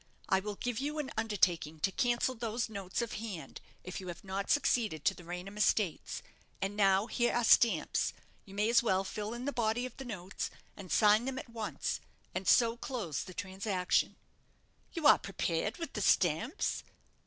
I will give you an undertaking to cancel those notes of hand if you have not succeeded to the Raynham estates. And now here are stamps. You may as well fill in the body of the notes, and sign them at once, and so close the transaction." "You are prepared with the stamps?"